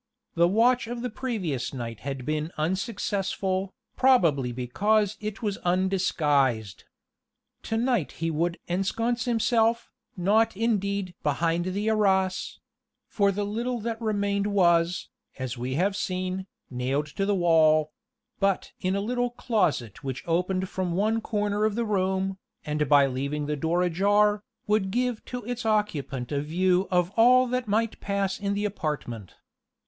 The watch of the previous night had been unsuccessful, probably because it was undisguised. To night he would "ensconce himself" not indeed "behind the arras" for the little that remained was, as we have seen, nailed to the wall but in a small closet which opened from one corner of the room, and by leaving the door ajar, would give to its occupant a view of all that might pass in the apartment.